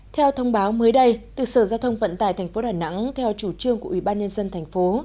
theo thông báo mới đây từ sở giao thông vận tải tp đà nẵng theo chủ trương của ủy ban nhân dân thành phố